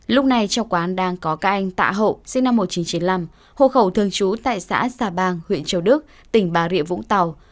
lúc này trong quán đang có các anh tạ hậu sinh năm một nghìn chín trăm chín mươi năm hộ khẩu thường trú tại xã xà bang huyện châu đức tỉnh bà rịa vũng tàu